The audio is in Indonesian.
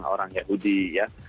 orang yahudi ya